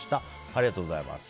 ありがとうございます。